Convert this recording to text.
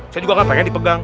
saya juga kan pengen dipegang